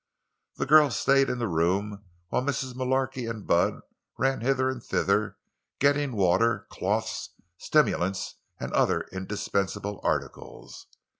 The girl stayed in the room while Mrs. Mullarky and Bud ran hither and thither getting water, cloths, stimulants, and other indispensable articles.